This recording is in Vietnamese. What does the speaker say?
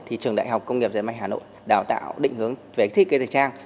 thì trường đại học công nghiệp giải máy hà nội đào tạo định hướng về thiết kế thời trang